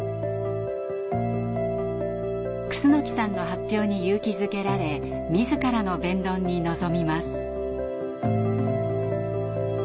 楠さんの発表に勇気づけられ自らの弁論に臨みます。